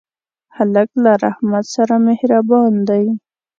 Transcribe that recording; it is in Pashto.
هلک له رحمت سره مهربان دی.